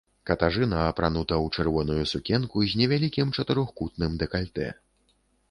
Катажына апранута ў чырвоную сукенку з невялікім чатырохкутным дэкальтэ.